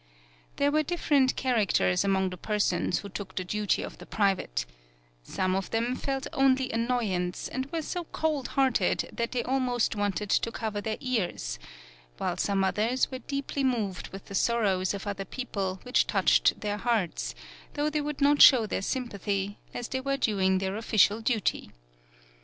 There were different characters 5 PAULOWNIA among the persons who took the duty of the private ; some of them felt only an noyance and were so cold hearted that they almost wanted to cover their ears, while some others were deeply moved with the sorrows of other people which touched their hearts, though they would not show their sympathy, as they were doing their official duty.